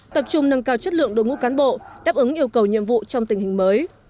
tập trung nâng cao chất lượng đội ngũ cán bộ đáp ứng yêu cầu nhiệm vụ trong tình hình mới